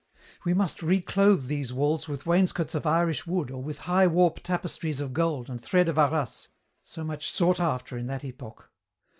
"We must reclothe these walls with wainscots of Irish wood or with high warp tapestries of gold and thread of Arras, so much sought after in that epoch.